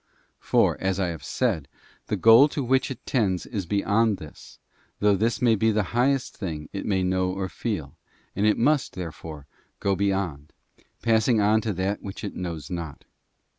For, as I have said, the goal to which it tends is beyond this, though this may be the highest thing it may know or feel, and it must, therefore, go beyond, passing on to that which it knows not.